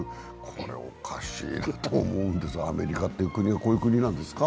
これおかしいと思うんですが、アメリカという国はこういう国なんですか？